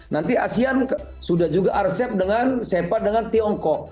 nanti asean sudah juga resep dengan sepa dengan tiongkok